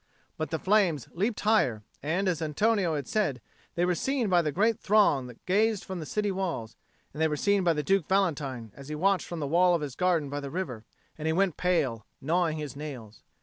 But the flames leapt higher; and, as Antonio had said, they were seen by the great throng that gazed from the city walls; and they were seen by Duke Valentine as he watched from the wall of his garden by the river; and he went pale, gnawing his nails.